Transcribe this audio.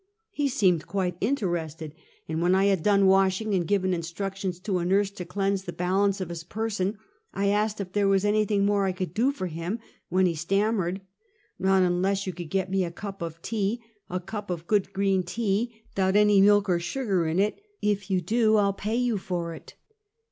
" He seemed quite interested, and when I had done washing and given directions to a nurse to cleanse the balance of his person, I asked if there was anything more I could do for him, when he stammered: " ISTot unless you could get me a cup of tea — a cup of good green tea, 'thout any milk or sugar in it. If you do, I '11 pay you for it."